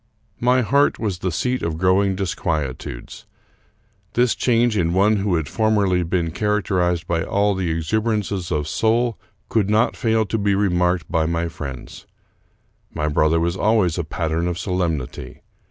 My heart was the seat of growing disquietudes. This change in one who had formerly been characterized by all the exuberances of soul could not fail to be remarked by my friends. My brother was always a pattern of solemnity.